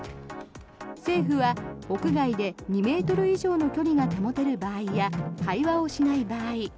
政府は屋外で２ｍ以上の距離が保てる場合や会話をしない場合